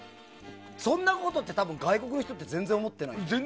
そんなことって外国の人って全然思ってないよね。